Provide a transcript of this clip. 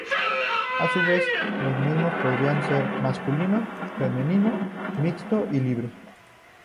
A su vez, los mismos podrán ser Masculino, Femenino, Mixto y Libre.